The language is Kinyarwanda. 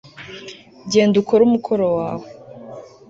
genda ukore umukoro wawe